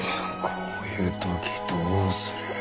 こういう時どうする？